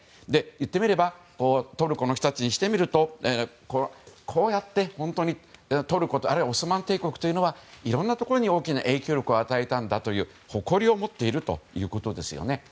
言ってみればトルコの人たちにしてみると本当にトルコあるいはオスマン帝国というのはいろんなところに大きな影響力を与えたんだという誇りを持っているということですよね。